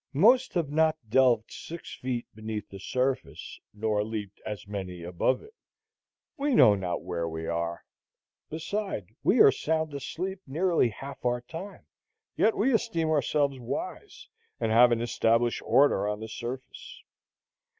Most have not delved six feet beneath the surface, nor leaped as many above it. We know not where we are. Beside, we are sound asleep nearly half our time. Yet we esteem ourselves wise, and have an established order on the surface.